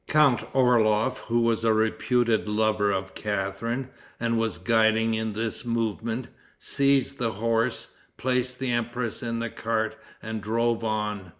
Count Orloff, who was a reputed lover of Catharine, and was guiding in this movement, seized the horse, placed the empress in the cart, and drove on.